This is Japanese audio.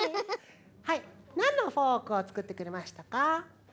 はいなんのフォークをつくってくれましたか？